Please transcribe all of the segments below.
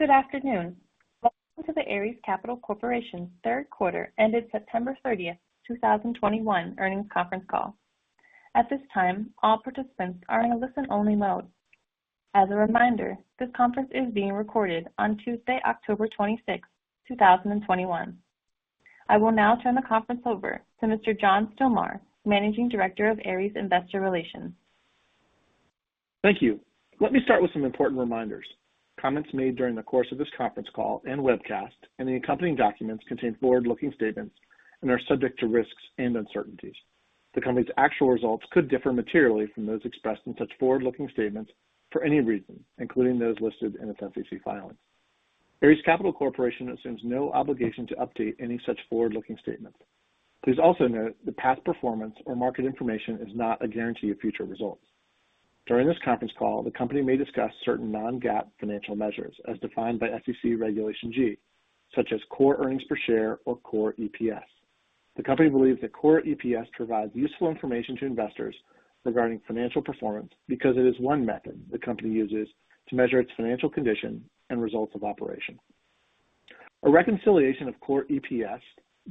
Good afternoon. Welcome to the Ares Capital Corporation third quarter ended September 30, 2021 earnings conference call. At this time, all participants are in a listen-only mode. As a reminder, this conference is being recorded on Tuesday, October 26, 2021. I will now turn the conference over to Mr. John Stilmar, Managing Director of Ares Investor Relations. Thank you. Let me start with some important reminders. Comments made during the course of this conference call and webcast and the accompanying documents contain forward-looking statements and are subject to risks and uncertainties. The company's actual results could differ materially from those expressed in such forward-looking statements for any reason, including those listed in its SEC filings. Ares Capital Corporation assumes no obligation to update any such forward-looking statements. Please also note that past performance or market information is not a guarantee of future results. During this conference call, the company may discuss certain non-GAAP financial measures as defined by SEC Regulation G, such as core earnings per share or core EPS. The company believes that core EPS provides useful information to investors regarding financial performance because it is one method the company uses to measure its financial condition and results of operations. A reconciliation of core EPS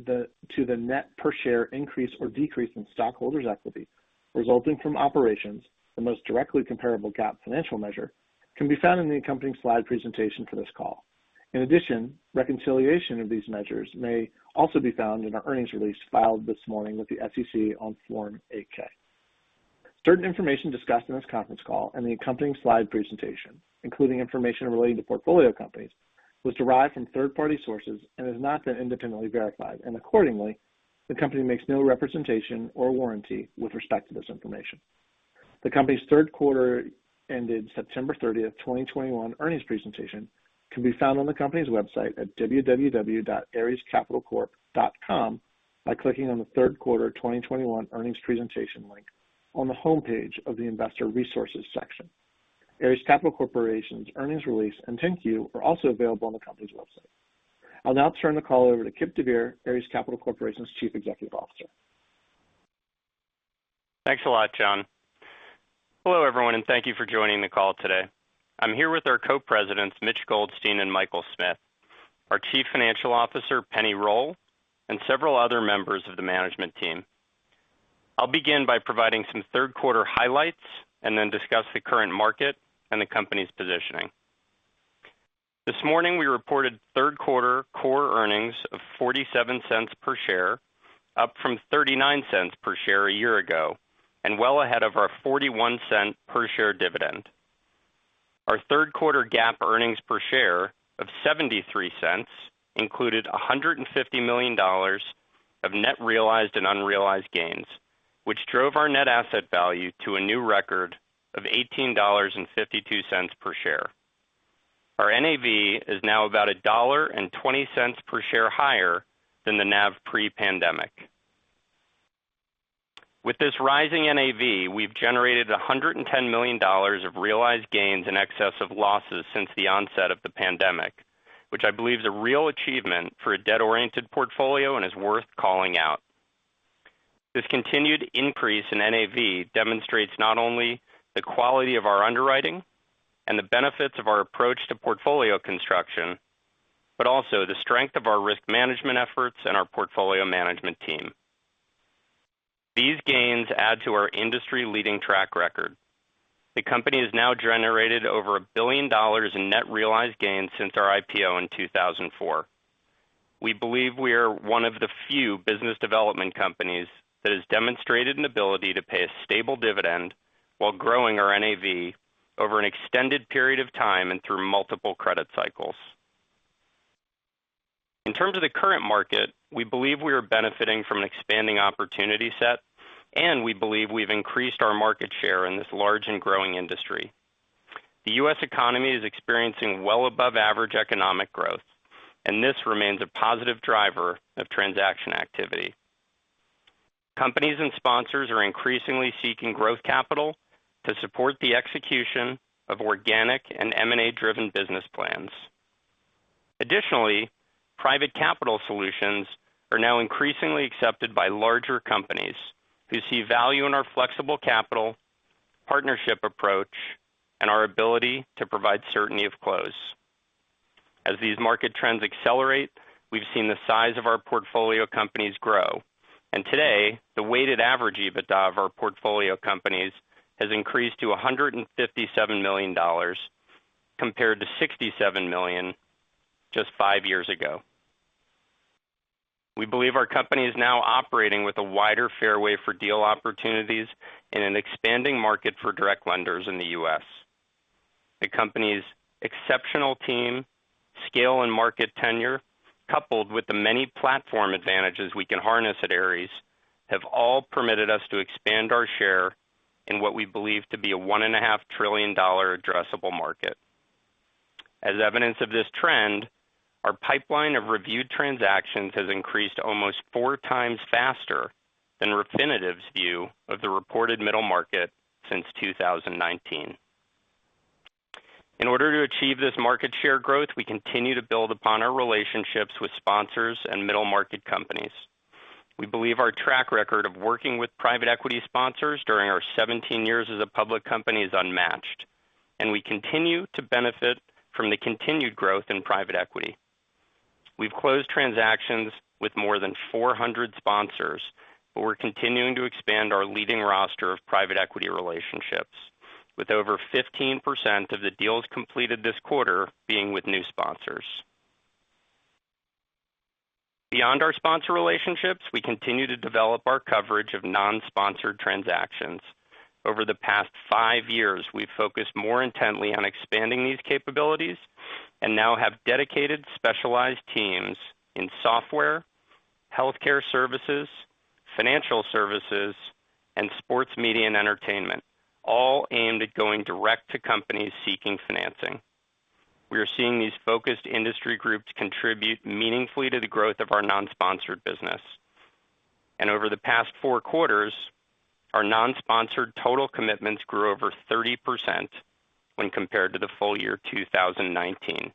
to the net per share increase or decrease in stockholders' equity resulting from operations, the most directly comparable GAAP financial measure, can be found in the accompanying slide presentation for this call. In addition, reconciliation of these measures may also be found in our earnings release filed this morning with the SEC on Form 8-K. Certain information discussed in this conference call and the accompanying slide presentation, including information relating to portfolio companies, was derived from third-party sources and has not been independently verified. Accordingly, the company makes no representation or warranty with respect to this information. The company's third quarter ended September 30, 2021 earnings presentation can be found on the company's website at www.arescapitalcorp.com by clicking on the third quarter 2021 earnings presentation link on the homepage of the Investor Resources section. Ares Capital Corporation's earnings release and 10-Q are also available on the company's website. I'll now turn the call over to Kipp deVeer, Ares Capital Corporation's Chief Executive Officer. Thanks a lot, John. Hello, everyone, and thank you for joining the call today. I'm here with our Co-Presidents, Mitch Goldstein and Michael Smith, our Chief Financial Officer, Penni Roll, and several other members of the management team. I'll begin by providing some third quarter highlights and then discuss the current market and the company's positioning. This morning, we reported third quarter core earnings of $0.47 per share, up from $0.39 per share a year ago, and well ahead of our $0.41 per share dividend. Our third quarter GAAP earnings per share of $0.73 included $150 million of net realized and unrealized gains, which drove our net asset value to a new record of $18.52 per share. Our NAV is now about $1.20 per share higher than the NAV pre-pandemic. With this rising NAV, we've generated $110 million of realized gains in excess of losses since the onset of the pandemic, which I believe is a real achievement for a debt-oriented portfolio and is worth calling out. This continued increase in NAV demonstrates not only the quality of our underwriting and the benefits of our approach to portfolio construction, but also the strength of our risk management efforts and our portfolio management team. These gains add to our industry-leading track record. The company has now generated over a billion dollar in net realized gains since our IPO in 2004. We believe we are one of the few business development companies that has demonstrated an ability to pay a stable dividend while growing our NAV over an extended period of time and through multiple credit cycles. In terms of the current market, we believe we are benefiting from an expanding opportunity set, and we believe we've increased our market share in this large and growing industry. The U.S. economy is experiencing well above average economic growth, and this remains a positive driver of transaction activity. Companies and sponsors are increasingly seeking growth capital to support the execution of organic and M&A-driven business plans. Additionally, private capital solutions are now increasingly accepted by larger companies who see value in our flexible capital, partnership approach, and our ability to provide certainty of close. As these market trends accelerate, we've seen the size of our portfolio companies grow, and today, the weighted average EBITDA of our portfolio companies has increased to $157 million compared to $67 million just five years ago. We believe our company is now operating with a wider fairway for deal opportunities in an expanding market for direct lenders in the U.S. The company's exceptional team, scale, and market tenure, coupled with the many platform advantages we can harness at Ares, have all permitted us to expand our share in what we believe to be a $1.5 trillion addressable market. As evidence of this trend, our pipeline of reviewed transactions has increased almost 4x faster than Refinitiv's view of the reported middle market since 2019. In order to achieve this market share growth, we continue to build upon our relationships with sponsors and middle market companies. We believe our track record of working with private equity sponsors during our 17 years as a public company is unmatched, and we continue to benefit from the continued growth in private equity. We've closed transactions with more than 400 sponsors, but we're continuing to expand our leading roster of private equity relationships with over 15% of the deals completed this quarter being with new sponsors. Beyond our sponsor relationships, we continue to develop our coverage of non-sponsored transactions. Over the past five years, we've focused more intently on expanding these capabilities and now have dedicated specialized teams in software, healthcare services, financial services, and sports media and entertainment, all aimed at going direct to companies seeking financing. We are seeing these focused industry groups contribute meaningfully to the growth of our non-sponsored business. Over the past four quarters, our non-sponsored total commitments grew over 30% when compared to the full year 2019.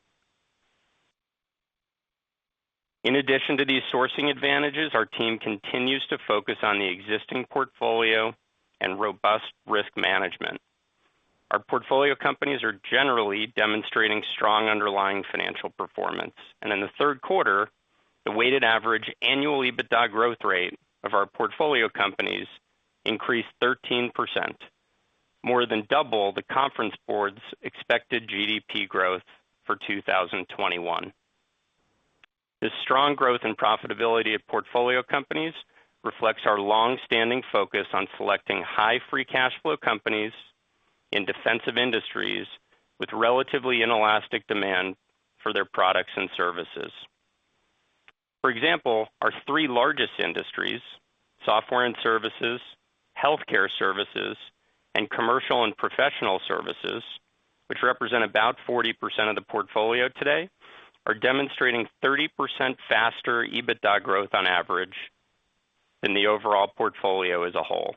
In addition to these sourcing advantages, our team continues to focus on the existing portfolio and robust risk management. Our portfolio companies are generally demonstrating strong underlying financial performance. In the third quarter, the weighted average annual EBITDA growth rate of our portfolio companies increased 13%, more than double The Conference Board's expected GDP growth for 2021. This strong growth and profitability of portfolio companies reflects our long-standing focus on selecting high free cash flow companies in defensive industries with relatively inelastic demand for their products and services. For example, our three largest industries, software and services, healthcare services, and commercial and professional services, which represent about 40% of the portfolio today, are demonstrating 30% faster EBITDA growth on average than the overall portfolio as a whole.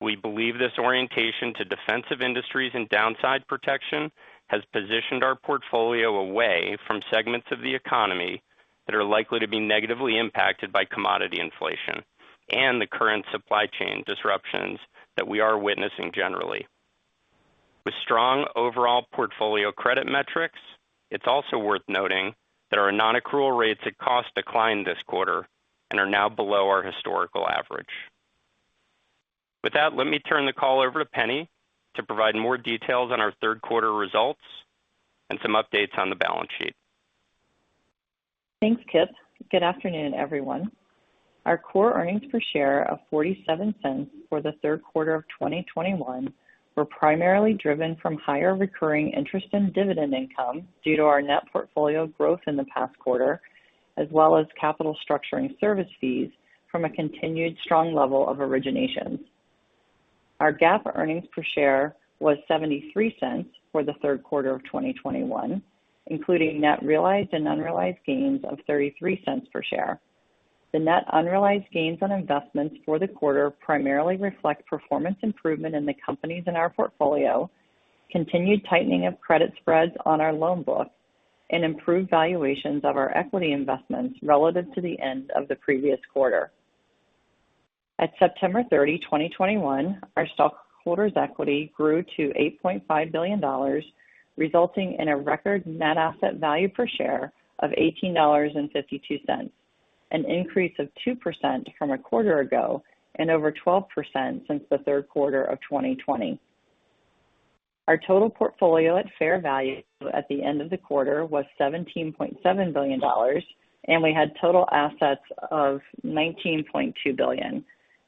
We believe this orientation to defensive industries and downside protection has positioned our portfolio away from segments of the economy that are likely to be negatively impacted by commodity inflation and the current supply chain disruptions that we are witnessing generally. With strong overall portfolio credit metrics, it's also worth noting that our non-accrual rates at cost declined this quarter and are now below our historical average. With that, let me turn the call over to Penni to provide more details on our third quarter results and some updates on the balance sheet. Thanks, Kipp. Good afternoon, everyone. Our core earnings per share of $0.47 for the third quarter of 2021 were primarily driven from higher recurring interest and dividend income due to our net portfolio growth in the past quarter, as well as capital structuring service fees from a continued strong level of originations. Our GAAP earnings per share was $0.73 for the third quarter of 2021, including net realized and unrealized gains of $0.33 per share. The net unrealized gains on investments for the quarter primarily reflect performance improvement in the companies in our portfolio, continued tightening of credit spreads on our loan book, and improved valuations of our equity investments relative to the end of the previous quarter. At September 30, 2021, our stockholders' equity grew to $8.5 billion, resulting in a record net asset value per share of $18.52, an increase of 2% from a quarter ago and over 12% since the third quarter of 2020. Our total portfolio at fair value at the end of the quarter was $17.7 billion, and we had total assets of $19.2 billion.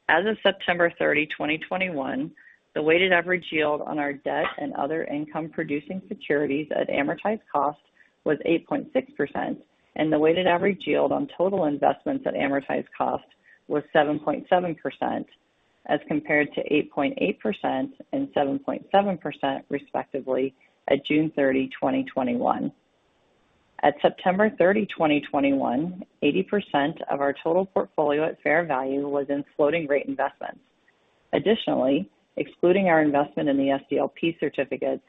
As of September 30, 2021, the weighted average yield on our debt and other income-producing securities at amortized cost was 8.6%, and the weighted average yield on total investments at amortized cost was 7.7% as compared to 8.8% and 7.7%, respectively, at June 30, 2021. At September 30, 2021, 80% of our total portfolio at fair value was in floating rate investments. Additionally, excluding our investment in the SDLP certificates,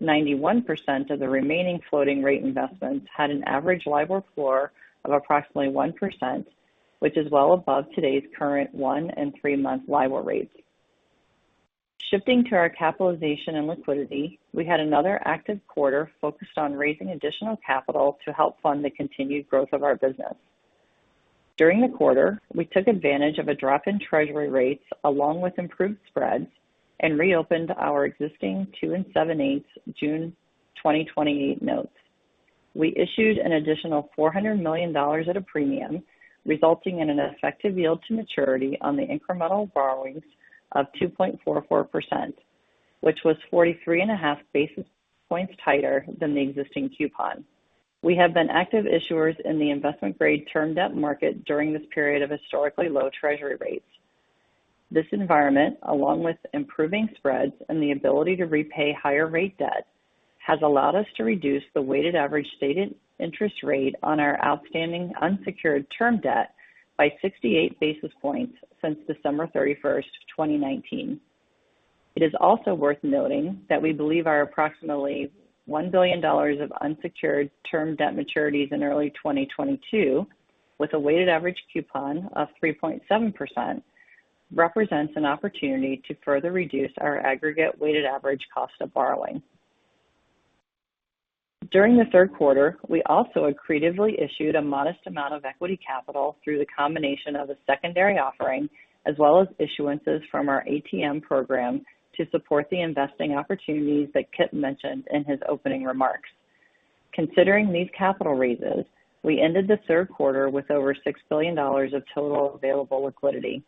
91% of the remaining floating rate investments had an average LIBOR floor of approximately 1%, which is well above today's current one- and three-month LIBOR rates. Shifting to our capitalization and liquidity, we had another active quarter focused on raising additional capital to help fund the continued growth of our business. During the quarter, we took advantage of a drop in Treasury rates along with improved spreads and reopened our existing 2.875% June 2028 notes. We issued an additional $400 million at a premium, resulting in an effective yield to maturity on the incremental borrowings of 2.44%, which was 43.5 basis points tighter than the existing coupon. We have been active issuers in the investment-grade term debt market during this period of historically low Treasury rates. This environment, along with improving spreads and the ability to repay higher rate debt, has allowed us to reduce the weighted average stated interest rate on our outstanding unsecured term debt by 68 basis points since December 31, 2019. It is also worth noting that we believe our approximately $1 billion of unsecured term debt maturities in early 2022, with a weighted average coupon of 3.7% represents an opportunity to further reduce our aggregate weighted average cost of borrowing. During the third quarter, we also accretively issued a modest amount of equity capital through the combination of a secondary offering as well as issuances from our ATM program to support the investing opportunities that Kipp mentioned in his opening remarks. Considering these capital raises, we ended the third quarter with over $6 billion of total available liquidity.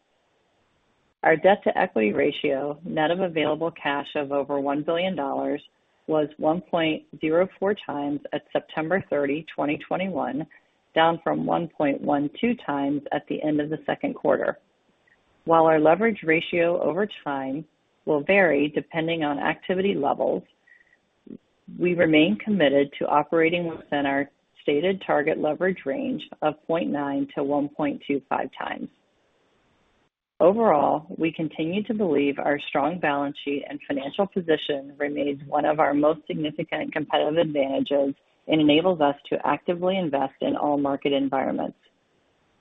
Our debt-to-equity ratio, net of available cash of over $1 billion was 1.04x at September 30, 2021, down from 1.12x at the end of the second quarter. While our leverage ratio over time will vary depending on activity levels, we remain committed to operating within our stated target leverage range of 0.9x-1.25x. Overall, we continue to believe our strong balance sheet and financial position remains one of our most significant competitive advantages and enables us to actively invest in all market environments.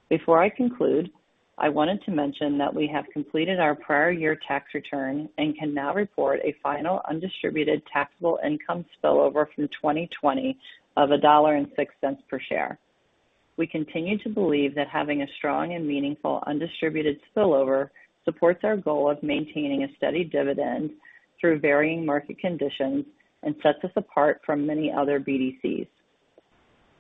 Before I conclude, I wanted to mention that we have completed our prior year tax return and can now report a final undistributed taxable income spillover from 2020 of $1.06 per share. We continue to believe that having a strong and meaningful undistributed spillover supports our goal of maintaining a steady dividend through varying market conditions and sets us apart from many other BDCs.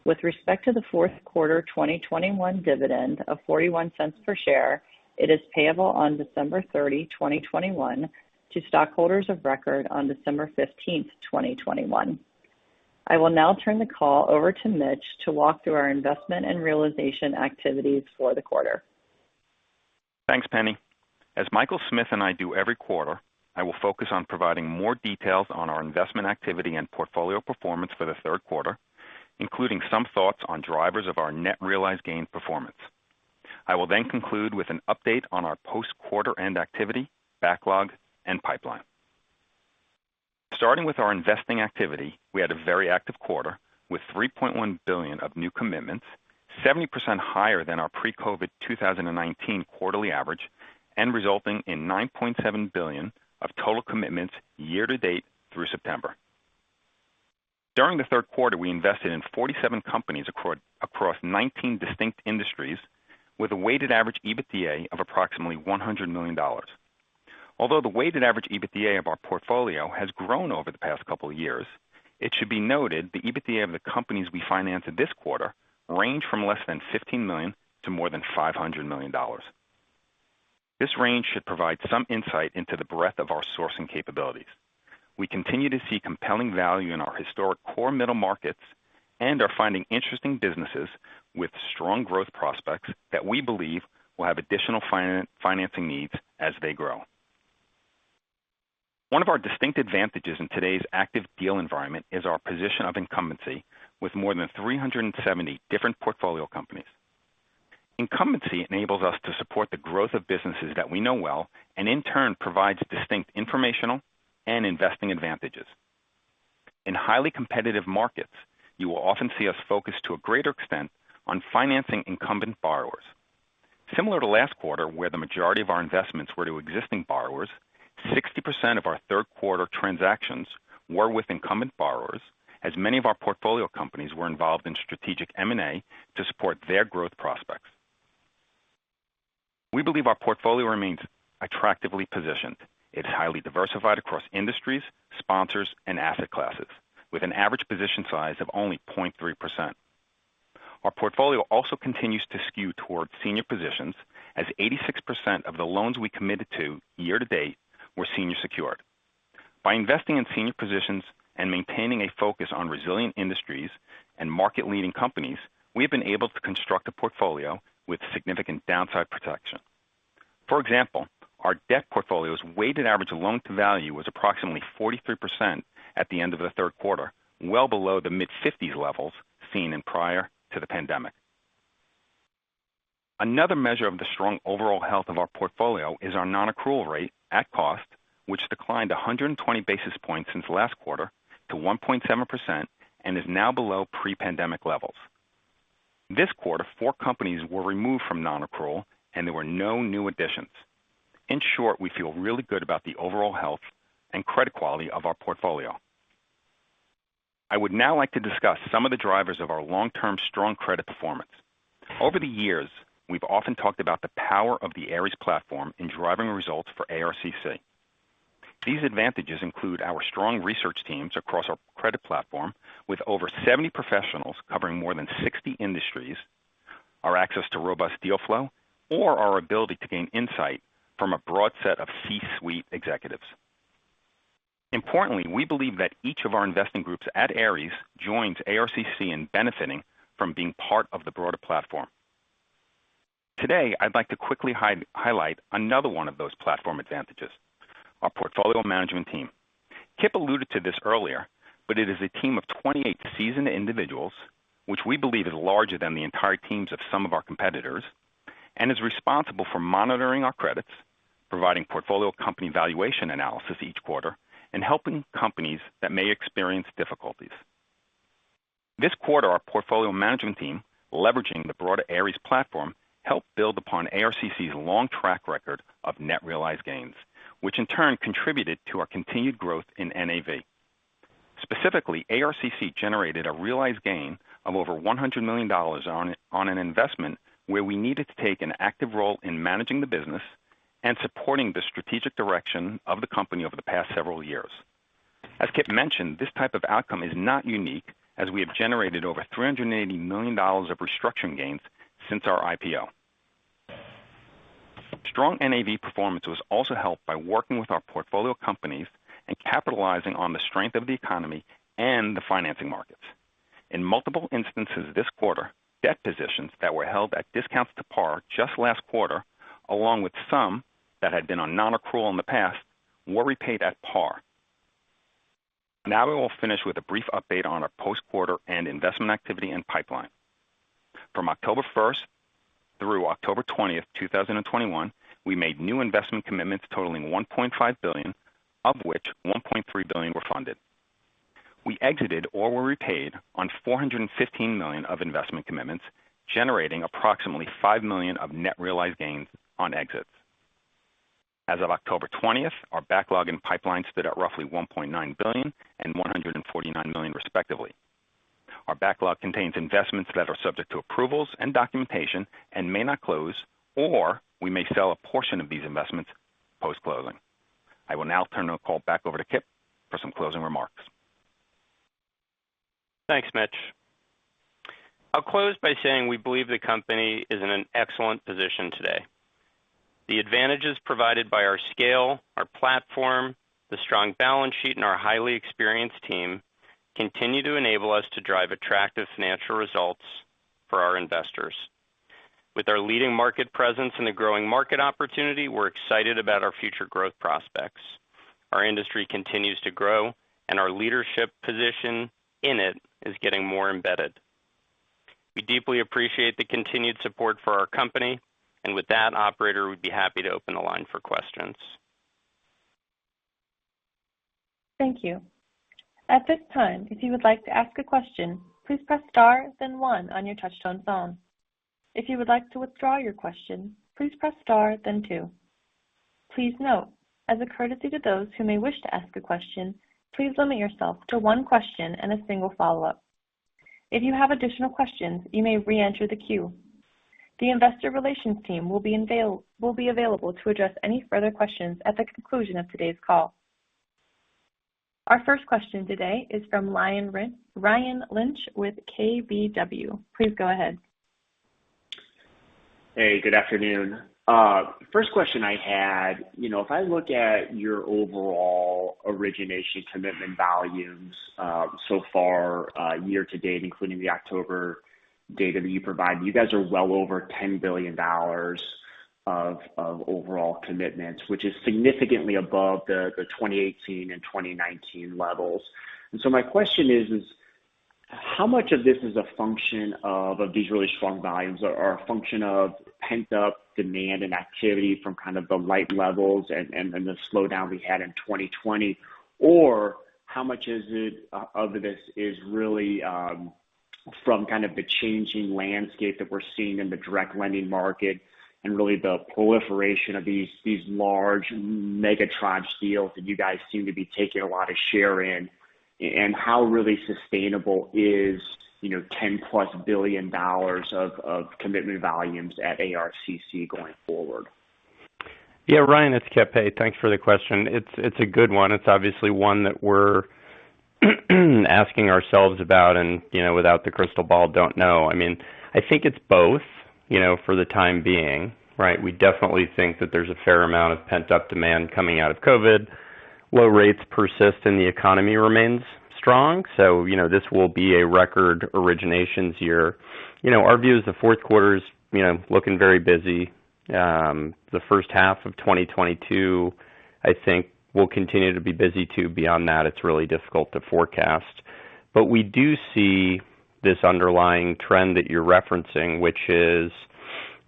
With respect to the fourth quarter 2021 dividend of $0.41 per share, it is payable on December 30, 2021 to stockholders of record on December 15, 2021. I will now turn the call over to Mitch to walk through our investment and realization activities for the quarter. Thanks, Penni. As Michael Smith and I do every quarter, I will focus on providing more details on our investment activity and portfolio performance for the third quarter, including some thoughts on drivers of our net realized gain performance. I will then conclude with an update on our post-quarter-end activity, backlog, and pipeline. Starting with our investing activity, we had a very active quarter with $3.1 billion of new commitments, 70% higher than our pre-COVID 2019 quarterly average, and resulting in $9.7 billion of total commitments year-to-date through September. During the third quarter, we invested in 47 companies across 19 distinct industries with a weighted average EBITDA of approximately $100 million. Although the weighted average EBITDA of our portfolio has grown over the past couple of years, it should be noted the EBITDA of the companies we financed this quarter range from less than $15 million to more than $500 million. This range should provide some insight into the breadth of our sourcing capabilities. We continue to see compelling value in our historic core middle markets and are finding interesting businesses with strong growth prospects that we believe will have additional financing needs as they grow. One of our distinct advantages in today's active deal environment is our position of incumbency with more than 370 different portfolio companies. Incumbency enables us to support the growth of businesses that we know well and in turn, provides distinct informational and investing advantages. In highly competitive markets, you will often see us focus to a greater extent on financing incumbent borrowers. Similar to last quarter, where the majority of our investments were to existing borrowers, 60% of our third quarter transactions were with incumbent borrowers, as many of our portfolio companies were involved in strategic M&A to support their growth prospects. We believe our portfolio remains attractively positioned. It's highly diversified across industries, sponsors, and asset classes, with an average position size of only 0.3%. Our portfolio also continues to skew towards senior positions as 86% of the loans we committed to year-to-date were senior secured. By investing in senior positions and maintaining a focus on resilient industries and market-leading companies, we have been able to construct a portfolio with significant downside protection. For example, our debt portfolio's weighted average loan to value was approximately 43% at the end of the third quarter, well below the mid-50s levels seen prior to the pandemic. Another measure of the strong overall health of our portfolio is our non-accrual rate at cost, which declined 120 basis points since last quarter to 1.7% and is now below pre-pandemic levels. This quarter, four companies were removed from non-accrual and there were no new additions. In short, we feel really good about the overall health and credit quality of our portfolio. I would now like to discuss some of the drivers of our long-term strong credit performance. Over the years, we've often talked about the power of the Ares platform in driving results for ARCC. These advantages include our strong research teams across our credit platform with over 70 professionals covering more than 60 industries, our access to robust deal flow, or our ability to gain insight from a broad set of C-suite executives. Importantly, we believe that each of our investing groups at Ares joins ARCC in benefiting from being part of the broader platform. Today, I'd like to quickly highlight another one of those platform advantages, our portfolio management team. Kipp alluded to this earlier, but it is a team of 28 seasoned individuals which we believe is larger than the entire teams of some of our competitors, and is responsible for monitoring our credits, providing portfolio company valuation analysis each quarter, and helping companies that may experience difficulties. This quarter, our portfolio management team, leveraging the broader Ares platform, helped build upon ARCC's long track record of net realized gains, which in turn contributed to our continued growth in NAV. Specifically, ARCC generated a realized gain of over $100 million on an investment where we needed to take an active role in managing the business and supporting the strategic direction of the company over the past several years. As Kipp mentioned, this type of outcome is not unique as we have generated over $380 million of restructuring gains since our IPO. Strong NAV performance was also helped by working with our portfolio companies and capitalizing on the strength of the economy and the financing markets. In multiple instances this quarter, debt positions that were held at discounts to par just last quarter, along with some that had been on non-accrual in the past, were repaid at par. Now we will finish with a brief update on our post-quarter and investment activity and pipeline. From October 1 through October 20, 2021, we made new investment commitments totaling $1.5 billion, of which $1.3 billion were funded. We exited or were repaid on $415 million of investment commitments, generating approximately $5 million of net realized gains on exits. As of October 20, our backlog and pipeline stood at roughly $1.9 billion and $149 million, respectively. Our backlog contains investments that are subject to approvals and documentation and may not close, or we may sell a portion of these investments post-closing. I will now turn the call back over to Kipp for some closing remarks. Thanks, Mitch. I'll close by saying we believe the company is in an excellent position today. The advantages provided by our scale, our platform, the strong balance sheet, and our highly experienced team continue to enable us to drive attractive financial results for our investors. With our leading market presence in the growing market opportunity, we're excited about our future growth prospects. Our industry continues to grow and our leadership position in it is getting more embedded. We deeply appreciate the continued support for our company. With that, operator, we'd be happy to open the line for questions. Thank you. At this time, if you would like to ask a question, please press star then one on your touch-tone phone. If you would like to withdraw your question, please press star then two. Please note, as a courtesy to those who may wish to ask a question, please limit yourself to one question and a single follow-up. If you have additional questions, you may re-enter the queue. The investor relations team will be available to address any further questions at the conclusion of today's call. Our first question today is from Ryan Lynch with KBW. Please go ahead. Hey, good afternoon. First question I had, you know, if I look at your overall origination commitment volumes, so far, year-to-date, including the October data that you provide, you guys are well over $10 billion of overall commitments, which is significantly above the 2018 and 2019 levels. My question is how much of this is a function of these really strong volumes are a function of pent-up demand and activity from kind of the light levels and the slowdown we had in 2020? Or how much of this is really from kind of the changing landscape that we're seeing in the direct lending market and really the proliferation of these large mega tranche deals that you guys seem to be taking a lot of share in? How really sustainable is, you know, $10+ billion of commitment volumes at ARCC going forward? Yeah, Ryan, it's Kipp. Hey, thanks for the question. It's a good one. It's obviously one that we're asking ourselves about and, you know, without the crystal ball, don't know. I mean, I think it's both, you know, for the time being, right? We definitely think that there's a fair amount of pent-up demand coming out of COVID. Low rates persist and the economy remains strong. You know, this will be a record originations year. You know, our view is the fourth quarter is, you know, looking very busy. The first half of 2022, I think will continue to be busy too. Beyond that, it's really difficult to forecast. We do see this underlying trend that you're referencing, which is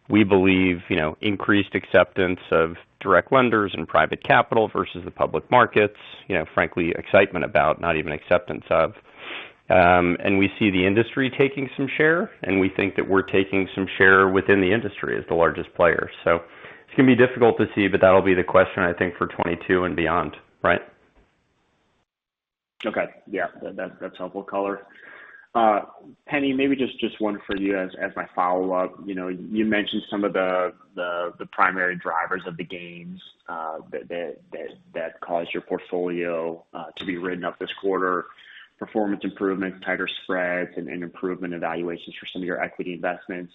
we believe, you know, increased acceptance of direct lenders and private capital versus the public markets. You know, frankly, excitement about, not even acceptance of. We see the industry taking some share, and we think that we're taking some share within the industry as the largest player. It's gonna be difficult to see, but that'll be the question, I think, for 2022 and beyond, right? Okay. Yeah. That's helpful color. Penni, maybe just one for you as my follow-up. You know, you mentioned some of the primary drivers of the gains that caused your portfolio to be written up this quarter. Performance improvements, tighter spreads, and improved valuations for some of your equity investments.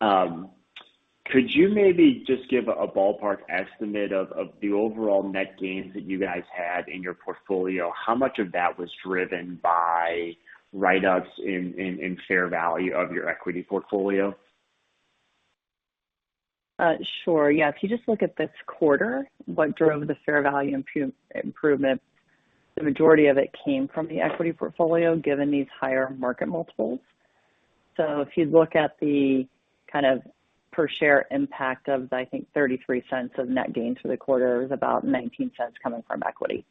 Could you maybe just give a ballpark estimate of the overall net gains that you guys had in your portfolio? How much of that was driven by write-ups in fair value of your equity portfolio? Sure. Yeah. If you just look at this quarter, what drove the fair value improvement, the majority of it came from the equity portfolio, given these higher market multiples. If you look at the kind of per share impact of, I think $0.33 of net gains for the quarter is about $0.19 coming from equity.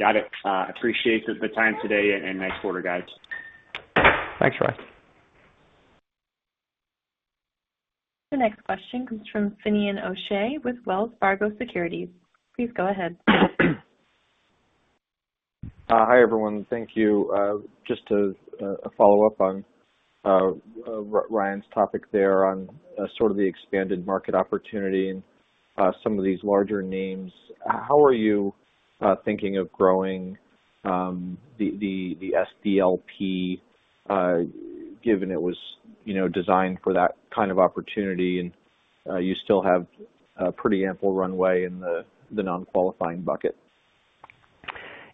Got it. Appreciate the time today and nice quarter, guys. Thanks, Ryan. The next question comes from Finian O'Shea with Wells Fargo Securities. Please go ahead. Hi, everyone. Thank you. Just a follow-up on Ryan's topic there on sort of the expanded market opportunity and some of these larger names. How are you thinking of growing the SDLP, given it was, you know, designed for that kind of opportunity and you still have a pretty ample runway in the non-qualifying bucket?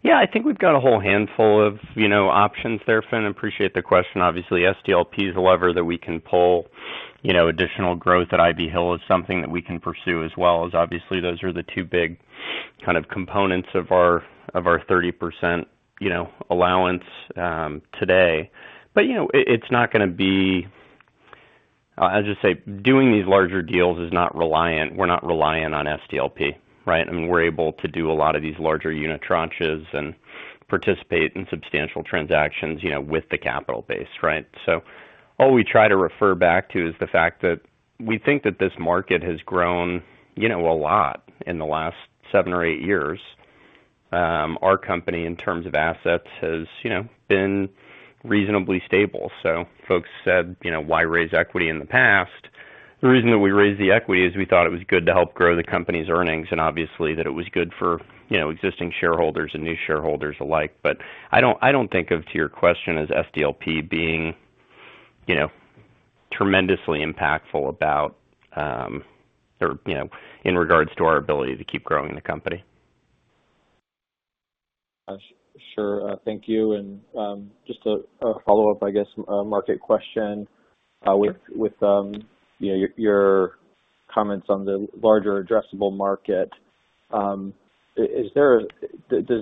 Yeah. I think we've got a whole handful of, you know, options there, Finn. Appreciate the question. Obviously, SDLP is a lever that we can pull, you know, additional growth at Ivy Hill is something that we can pursue as well, as obviously, those are the two big kind of components of our 30%, you know, allowance today. I'll just say, doing these larger deals is not reliant, we're not reliant on SDLP, right? I mean, we're able to do a lot of these larger unitranches and participate in substantial transactions, you know, with the capital base, right? All we try to refer back to is the fact that we think that this market has grown, you know, a lot in the last seven or eight years. Our company, in terms of assets, has, you know, been reasonably stable. Folks said, you know, why raise equity in the past? The reason that we raised the equity is we thought it was good to help grow the company's earnings and obviously that it was good for, you know, existing shareholders and new shareholders alike. I don't think of, to your question, as SDLP being, you know, tremendously impactful about or, you know, in regards to our ability to keep growing the company. Sure. Thank you. Just a follow-up, I guess, market question with you know, your comments on the larger addressable market. Does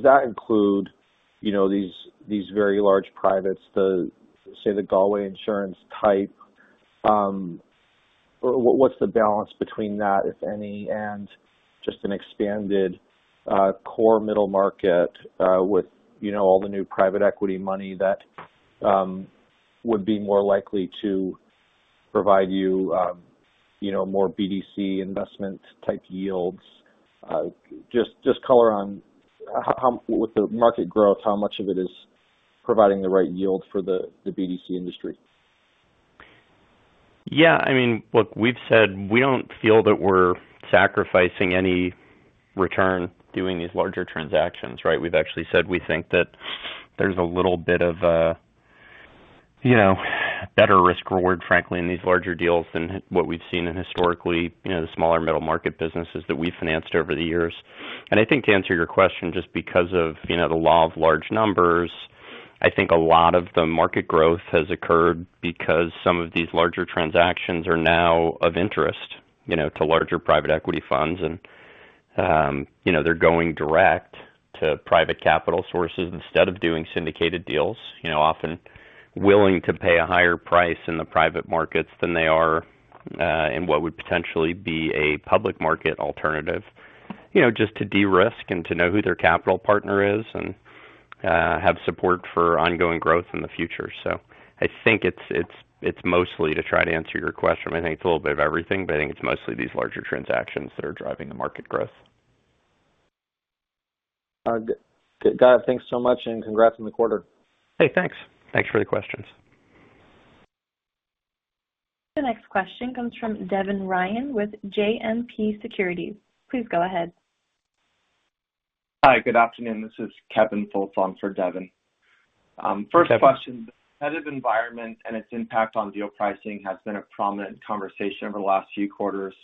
that include you know, these very large privates, the say, the Galway Insurance Holdings type? What's the balance between that, if any, and just an expanded core middle market with you know, all the new private equity money that would be more likely to provide you you know, more BDC investment type yields? Just color on how, with the market growth, how much of it is providing the right yield for the BDC industry? Yeah, I mean, look, we've said we don't feel that we're sacrificing any return doing these larger transactions, right? We've actually said we think that there's a little bit of a, you know, better risk reward, frankly, in these larger deals than what we've seen historically, you know, the smaller middle market businesses that we financed over the years. I think to answer your question, just because of, you know, the law of large numbers, I think a lot of the market growth has occurred because some of these larger transactions are now of interest, you know, to larger private equity funds. You know, they're going direct to private capital sources instead of doing syndicated deals, you know, often willing to pay a higher price in the private markets than they are in what would potentially be a public market alternative, you know, just to de-risk and to know who their capital partner is and have support for ongoing growth in the future. I think it's mostly to try to answer your question. I think it's a little bit of everything, but I think it's mostly these larger transactions that are driving the market growth. Got it. Thanks so much, and congrats on the quarter. Hey, thanks. Thanks for the questions. The next question comes from Devin Ryan with JMP Securities. Please go ahead. Hi, good afternoon. This is Kevin Fultz for Devin. First question. The competitive environment and its impact on deal pricing has been a prominent conversation over the last few quarters.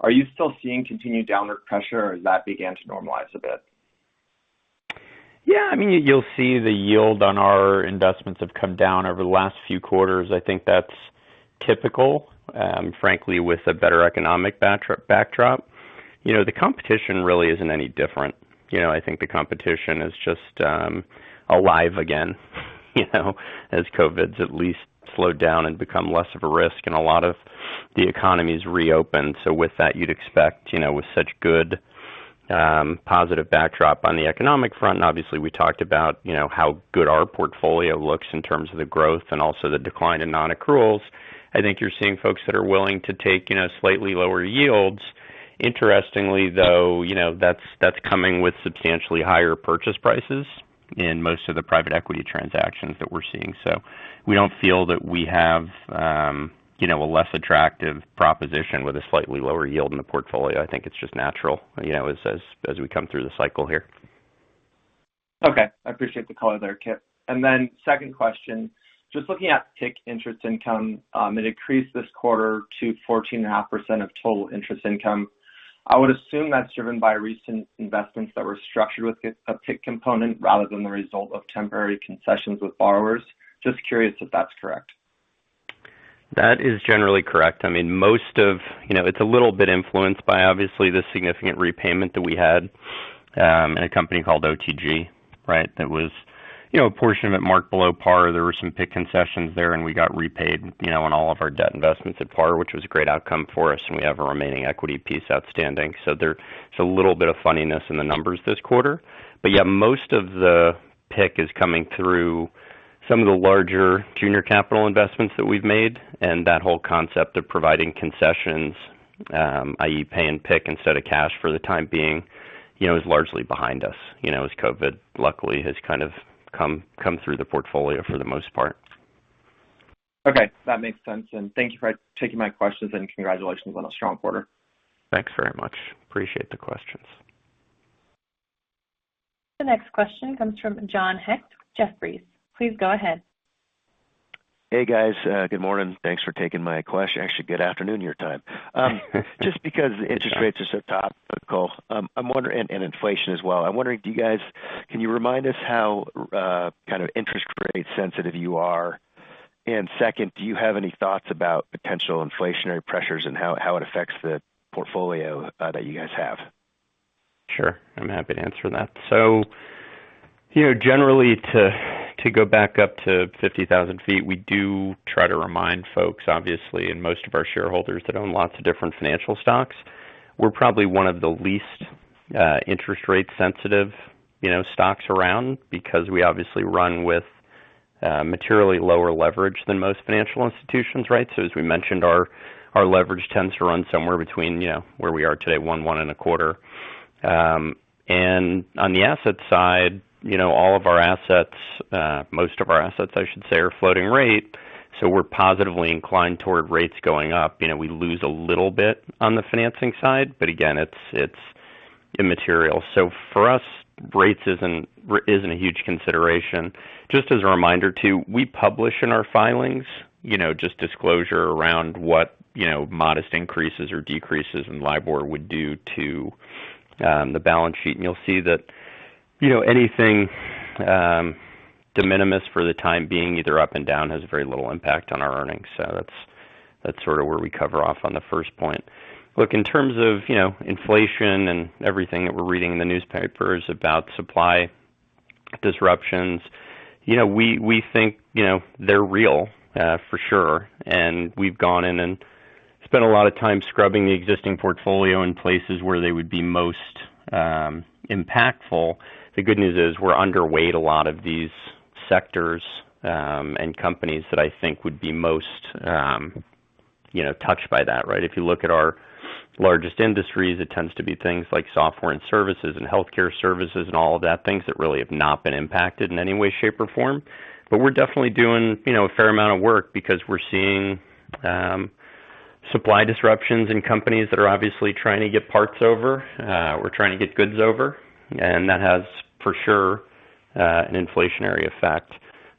Are you still seeing continued downward pressure, or has that began to normalize a bit? Yeah. I mean, you'll see the yield on our investments have come down over the last few quarters. I think that's typical, frankly, with a better economic backdrop. You know, the competition really isn't any different. You know, I think the competition is just alive again, you know, as COVID's at least slowed down and become less of a risk and a lot of the economy's reopened. With that, you'd expect, you know, with such good positive backdrop on the economic front, and obviously we talked about, you know, how good our portfolio looks in terms of the growth and also the decline in non-accruals. I think you're seeing folks that are willing to take, you know, slightly lower yields. Interestingly, though, you know, that's coming with substantially higher purchase prices in most of the private equity transactions that we're seeing. We don't feel that we have, you know, a less attractive proposition with a slightly lower yield in the portfolio. I think it's just natural, you know, as we come through the cycle here. Okay. I appreciate the color there, Kipp. Second question. Just looking at PIK interest income, it increased this quarter to 14.5% of total interest income. I would assume that's driven by recent investments that were structured with a PIC component rather than the result of temporary concessions with borrowers. Just curious if that's correct. That is generally correct. I mean, most of you know, it's a little bit influenced by obviously the significant repayment that we had in a company called OTG, right? That was, you know, a portion of it marked below par. There were some PIK concessions there, and we got repaid, you know, on all of our debt investments at par, which was a great outcome for us, and we have a remaining equity piece outstanding. There's a little bit of funniness in the numbers this quarter. Yeah, most of the PIK is coming through some of the larger junior capital investments that we've made, and that whole concept of providing concessions, i.e. pay and PIK instead of cash for the time being, you know, is largely behind us. You know, as COVID, luckily, has kind of come through the portfolio for the most part. Okay, that makes sense. Thank you for taking my questions, and congratulations on a strong quarter. Thanks very much. Appreciate the questions. The next question comes from John Hecht, Jefferies. Please go ahead. Hey, guys. Good morning. Actually, good afternoon your time. Just because interest rates are so topical, I'm wondering and inflation as well, can you remind us how kind of interest rate sensitive you are? Second, do you have any thoughts about potential inflationary pressures and how it affects the portfolio that you guys have? Sure. I'm happy to answer that. You know, generally to go back up to 50,000 feet, we do try to remind folks, obviously, and most of our shareholders that own lots of different financial stocks, we're probably one of the least interest rate sensitive, you know, stocks around because we obviously run with materially lower leverage than most financial institutions, right? As we mentioned, our leverage tends to run somewhere between, you know, where we are today, 1x-1.25x. And on the asset side, you know, all of our assets, most of our assets, I should say, are floating rate, so we're positively inclined toward rates going up. You know, we lose a little bit on the financing side, but again, it's immaterial. For us, rates isn't a huge consideration. Just as a reminder, too, we publish in our filings, you know, just disclosure around what, you know, modest increases or decreases in LIBOR would do to the balance sheet. You'll see that, you know, anything de minimis for the time being, either up and down, has very little impact on our earnings. That's sort of where we cover off on the first point. Look, in terms of, you know, inflation and everything that we're reading in the newspapers about supply disruptions, you know, we think, you know, they're real for sure, and we've gone in and spent a lot of time scrubbing the existing portfolio in places where they would be most impactful. The good news is we're underweight a lot of these sectors and companies that I think would be most, you know, touched by that, right? If you look at our largest industries, it tends to be things like software and services and healthcare services and all of that, things that really have not been impacted in any way, shape, or form. We're definitely doing, you know, a fair amount of work because we're seeing supply disruptions in companies that are obviously trying to get parts over or trying to get goods over. That has, for sure, an inflationary effect.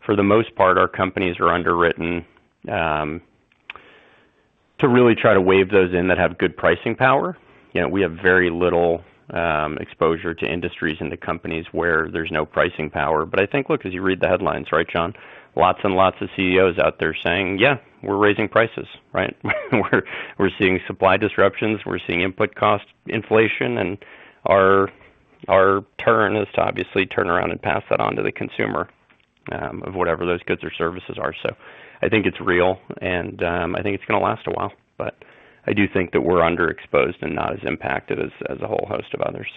For the most part, our companies are underwritten to really try to weather those in that have good pricing power. You know, we have very little exposure to industries and to companies where there's no pricing power. I think, look, as you read the headlines, right, John, lots and lots of CEOs out there saying, "Yeah, we're raising prices," right? "We're seeing supply disruptions. We're seeing input cost inflation, and our turn is to obviously turn around and pass that on to the consumer of whatever those goods or services are." I think it's real, and I think it's gonna last a while. I do think that we're underexposed and not as impacted as a whole host of others.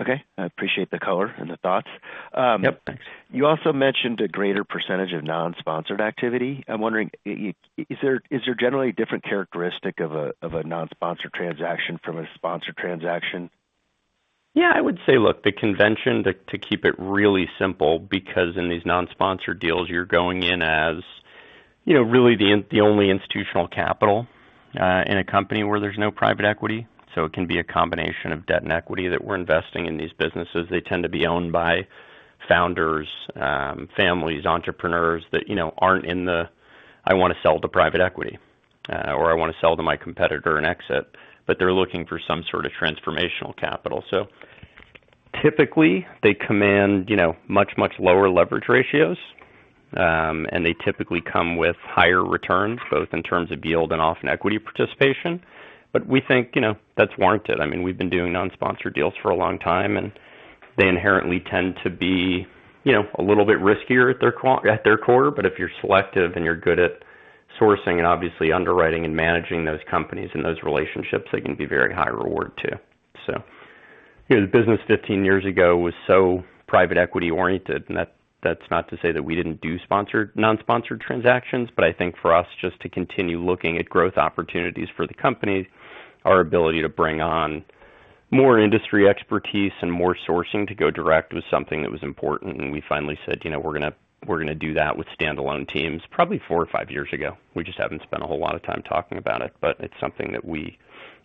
Okay. I appreciate the color and the thoughts. Yep. You also mentioned a greater percentage of non-sponsored activity. I'm wondering, is there generally a different characteristic of a non-sponsored transaction from a sponsored transaction? Yeah, I would say, look, the convention to keep it really simple because in these non-sponsored deals you're going in as, you know, really the only institutional capital in a company where there's no private equity. It can be a combination of debt and equity that we're investing in these businesses. They tend to be owned by founders, families, entrepreneurs that, you know, aren't in the, "I wanna sell to private equity," or, "I wanna sell to my competitor and exit," but they're looking for some sort of transformational capital. Typically, they command, you know, much lower leverage ratios. They typically come with higher returns, both in terms of yield and often equity participation. We think, you know, that's warranted. I mean, we've been doing non-sponsored deals for a long time, and they inherently tend to be, you know, a little bit riskier at their core. If you're selective and you're good at sourcing and obviously underwriting and managing those companies and those relationships, they can be very high reward, too. You know, the business 15 years ago was so private equity oriented, and that's not to say that we didn't do non-sponsored transactions, but I think for us just to continue looking at growth opportunities for the company, our ability to bring on more industry expertise and more sourcing to go direct was something that was important. We finally said, you know, we're gonna do that with standalone teams probably four or five years ago. We just haven't spent a whole lot of time talking about it. It's something that we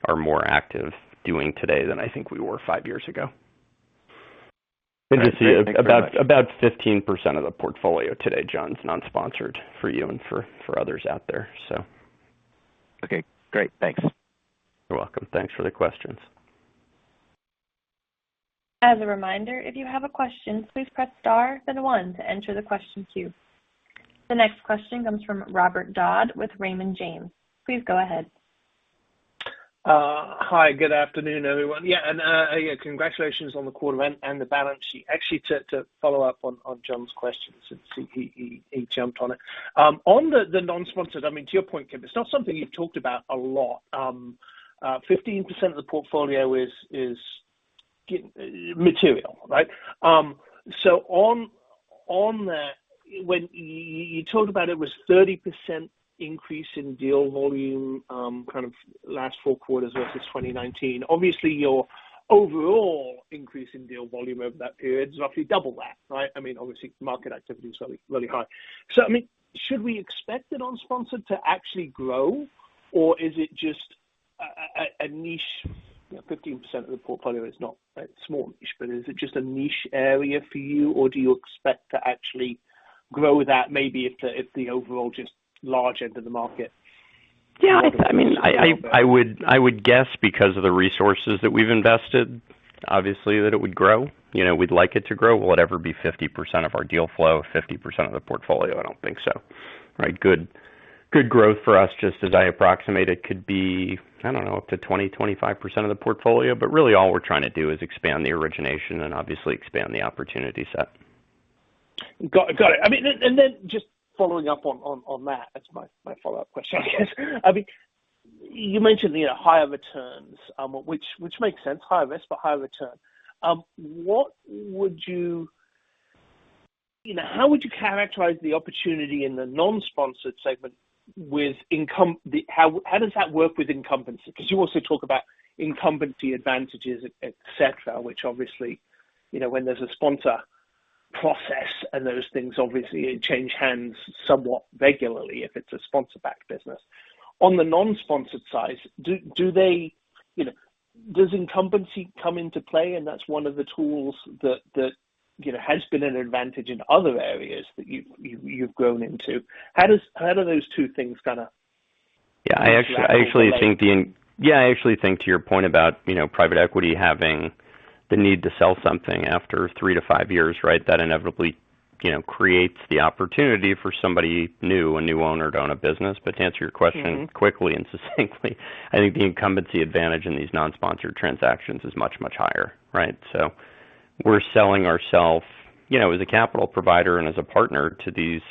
are more active doing today than I think we were five years ago. Good to see you. About 15% of the portfolio today, John, is non-sponsored for you and for others out there, so. Okay, great. Thanks. You're welcome. Thanks for the questions. As a reminder, if you have a question, please press star then one to enter the question queue. The next question comes from Robert Dodd with Raymond James. Please go ahead. Hi, good afternoon, everyone. Congratulations on the quarter and the balance sheet. Actually, to follow up on John's questions since he jumped on it. On the non-sponsored, I mean, to your point, Kipp, it's not something you've talked about a lot. 15% of the portfolio is given material, right? When you talked about it was 30% increase in deal volume, kind of last four quarters versus 2019. Obviously, your overall increase in deal volume over that period is roughly double that, right? I mean, obviously market activity is really high. I mean, should we expect the non-sponsored to actually grow? Or is it just a niche? You know, 15% of the portfolio is not a small niche, but is it just a niche area for you, or do you expect to actually grow that maybe if the overall just large end of the market? Yeah, I mean, I would guess because of the resources that we've invested, obviously that it would grow. You know, we'd like it to grow. Will it ever be 50% of our deal flow, 50% of the portfolio? I don't think so, right? Good growth for us, just as I approximate it could be, I don't know, up to 20%-25% of the portfolio, but really all we're trying to do is expand the origination and obviously expand the opportunity set. Got it. I mean, and then just following up on that as my follow-up question, I guess. I mean, you mentioned, you know, higher returns, which makes sense. Higher risk, but higher return. What would you know, how would you characterize the opportunity in the non-sponsored segment with incumbency? How does that work with incumbency? Because you also talk about incumbency advantages, et cetera, which obviously, you know, when there's a sponsor process and those things, obviously it changes hands somewhat regularly if it's a sponsor-backed business. On the non-sponsored side, do they, you know, does incumbency come into play? That's one of the tools that you know has been an advantage in other areas that you've grown into. How do those two things kinda overlap or relate? Yeah, I actually think to your point about, you know, private equity having the need to sell something after 3-5 years, right? That inevitably, you know, creates the opportunity for somebody new, a new owner to own a business. To answer your question. Mm-hmm. Quickly and succinctly, I think the incumbency advantage in these non-sponsored transactions is much, much higher, right? We're selling ourself, you know, as a capital provider and as a partner to these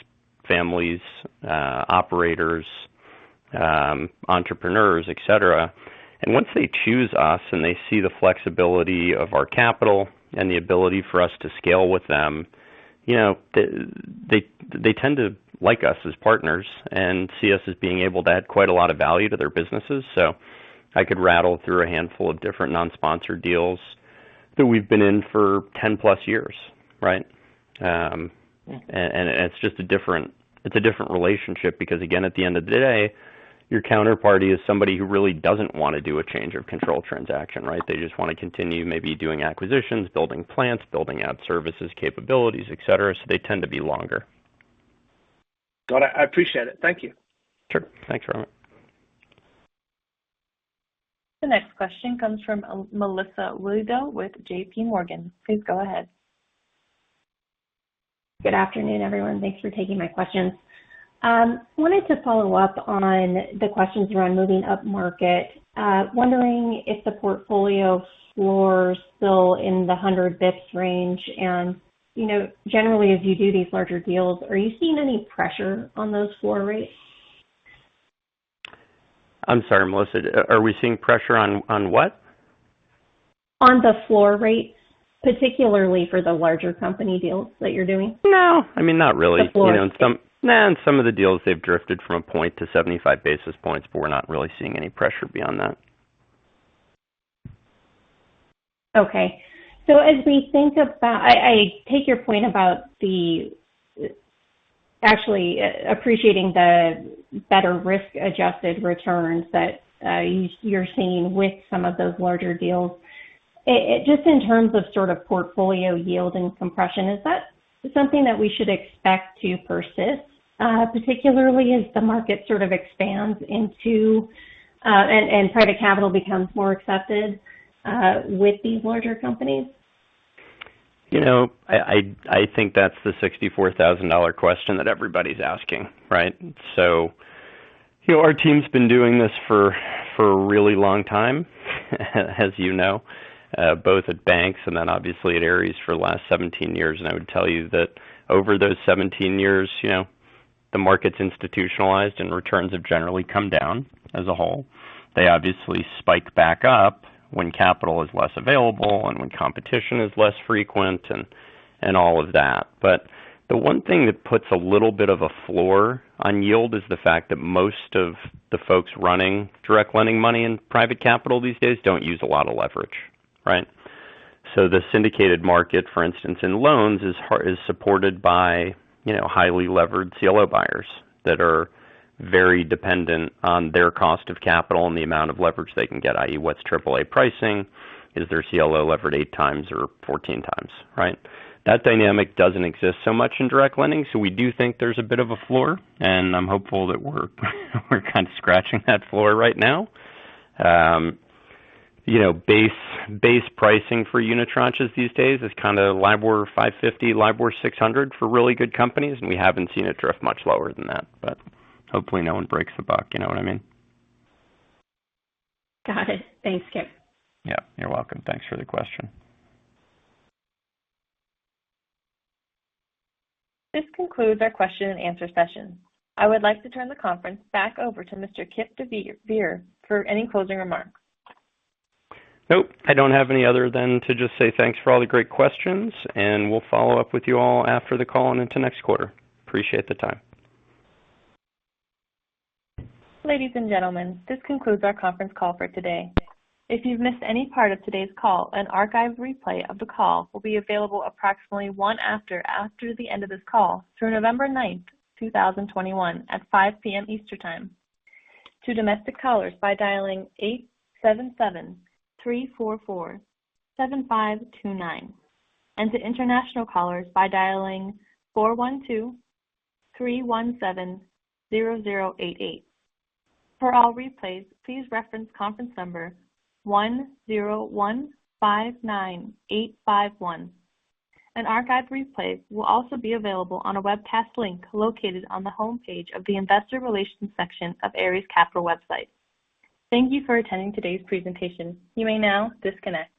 families, operators, entrepreneurs, et cetera. Once they choose us and they see the flexibility of our capital and the ability for us to scale with them, you know, they tend to like us as partners and see us as being able to add quite a lot of value to their businesses. I could rattle through a handful of different non-sponsored deals that we've been in for 10+ years, right? It's just a different relationship because again, at the end of the day, your counterparty is somebody who really doesn't wanna do a change of control transaction, right? They just want to continue maybe doing acquisitions, building plants, building out services, capabilities, et cetera. They tend to be longer. Got it. I appreciate it. Thank you. Sure. Thanks, Robert. The next question comes from Melissa Wedel with JPMorgan. Please go ahead. Good afternoon, everyone. Thanks for taking my questions. Wanted to follow up on the questions around moving upmarket. Wondering if the portfolio floor is still in the 100 basis points range? You know, generally as you do these larger deals, are you seeing any pressure on those floor rates? I'm sorry, Melissa. Are we seeing pressure on what? On the floor rates, particularly for the larger company deals that you're doing. No. I mean, not really. The floor rates. In some of the deals, they've drifted from a point to 75 basis points, but we're not really seeing any pressure beyond that. Okay. As we think about, I take your point about actually appreciating the better risk-adjusted returns that you're seeing with some of those larger deals. Just in terms of sort of portfolio yield and compression, is that something that we should expect to persist, particularly as the market sort of expands into and private capital becomes more accepted with these larger companies? You know, I think that's the $64,000 question that everybody's asking, right? You know, our team's been doing this for a really long time, as you know, both at banks and then obviously at Ares for the last 17 years. I would tell you that over those 17 years, you know, the market's institutionalized and returns have generally come down as a whole. They obviously spike back up when capital is less available and when competition is less frequent and all of that. But the one thing that puts a little bit of a floor on yield is the fact that most of the folks running direct lending money in private capital these days don't use a lot of leverage, right? The syndicated market, for instance, in loans is supported by, you know, highly levered CLO buyers that are very dependent on their cost of capital and the amount of leverage they can get, i.e., what's triple-A pricing? Is their CLO levered 8x or 14x, right? That dynamic doesn't exist so much in direct lending, so we do think there's a bit of a floor, and I'm hopeful that we're kind of scratching that floor right now. You know, base pricing for unitranches these days is kind of LIBOR 550, LIBOR 600 for really good companies, and we haven't seen it drift much lower than that. But hopefully no one breaks the buck, you know what I mean? Got it. Thanks, Kipp. Yeah, you're welcome. Thanks for the question. This concludes our question and answer session. I would like to turn the conference back over to Mr. Kipp deVeer for any closing remarks. Nope. I don't have any other than to just say thanks for all the great questions, and we'll follow up with you all after the call and into next quarter. Appreciate the time. Ladies and gentlemen, this concludes our conference call for today. If you've missed any part of today's call, an archived replay of the call will be available approximately one hour after the end of this call through November 9, 2021 at 5 P.M. Eastern Time. To domestic callers, by dialing 877-344-7529. To international callers, by dialing 412-317-0088. For all replays, please reference conference number 10159851. An archived replay will also be available on a webcast link located on the homepage of the Investor Relations section of Ares Capital website. Thank you for attending today's presentation. You may now disconnect.